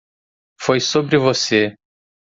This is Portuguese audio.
Foi sobre você.